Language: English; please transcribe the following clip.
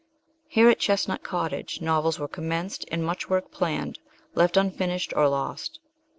Here at Chestnut Cottage novels were commenced and much work planned, left unfinished, or lost.